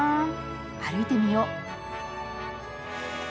歩いてみよう。